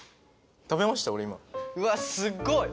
うわっすっごい！